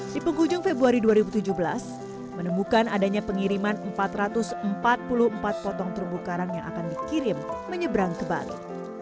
di penghujung februari dua ribu tujuh belas menemukan adanya pengiriman empat ratus empat puluh empat potong terumbu karang yang akan dikirim menyeberang ke bali